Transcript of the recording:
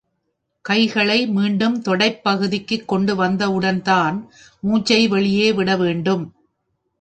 கைகளை மீண்டும் தொடைப் பகுதிக்குக் கொண்டு வந்தவுடன்தான், மூச்சை வெளியே விட வேண்டும்.